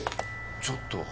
ちょっと。